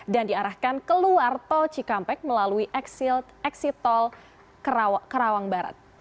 dan diarahkan keluar tol cikampek melalui eksit tol kerawang barat